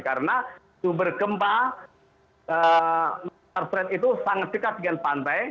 karena sumber gempa itu sangat dekat dengan pantai